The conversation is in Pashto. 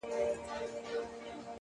اخلاص د اړیکو بنسټ پیاوړی کوي.!